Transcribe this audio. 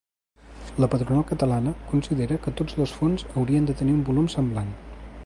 La patronal catalana considera que tots dos fons haurien de tenir un volum semblant.